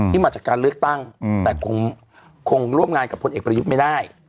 มาจากการเลือกตั้งแต่คงร่วมงานกับพลเอกประยุทธ์ไม่ได้